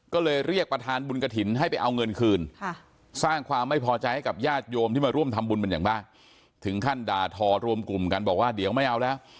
ก็เลยเรียกประธานบุญกระถิ่นให้ไปเอาเงินคืนสร้างความไม่พอใจให้กับญาติโยมที่มาร่วมทำบุญเป็นอย่างมากถึงขั้นด่าทอรวมกลุ่มกันบอกว่าเดี๋ยวไม่เอาแล้ว